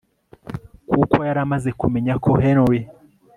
kuko yari yamaze kumenya ko Henry